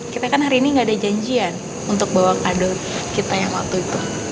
kita kan hari ini gak ada janjian untuk bawa kado kita yang waktu itu